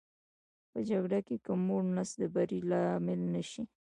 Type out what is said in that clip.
په جګړه کې که موړ نس د بري لامل نه شي.